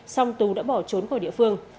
xong tù đã bỏ trốn khỏi địa phương